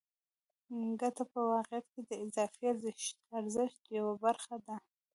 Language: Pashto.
ګته په واقعیت کې د اضافي ارزښت یوه برخه ده